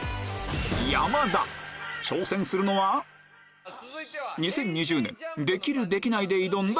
挑戦するのは２０２０年「できる？できない？」で挑んだ